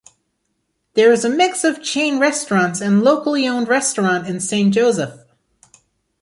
There is a mix of chain restaurants and locally owned restaurant in Saint Joseph.